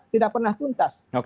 tidak pernah tuntas